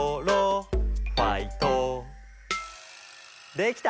できた？